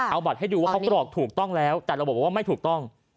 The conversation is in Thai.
เอาบัตรให้ดูว่าเขากรอกถูกต้องแล้วแต่ระบบบอกว่าไม่ถูกต้อง